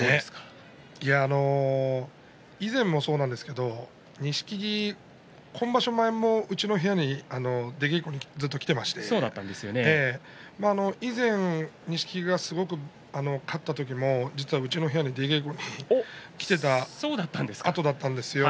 以前もそうなんですけれど錦木、今場所、前もうちの部屋に出稽古に来てまして以前錦木が、すごく勝った時もうちの部屋に出稽古に来ていたあとだったんですよ。